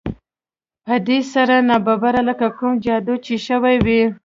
په دې سره ناببره لکه کوم جادو چې شوی وي